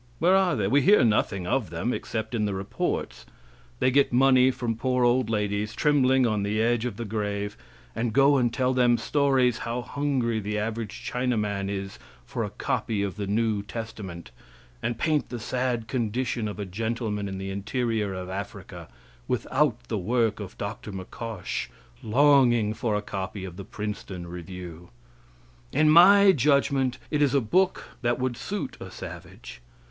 Where are they? We hear nothing of them, except in the reports. They get money from poor old ladies, trembling on the edge of the grave, and go and tell them stories how hungry the average Chinaman is for a copy of the new testament, and paint the sad condition of a gentleman in the interior of Africa, without the work of Dr. McCosh, longing for a copy of the Princeton Review. In my judgment, it is a book that would suit a savage.